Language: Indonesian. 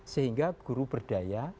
sehingga guru berdaya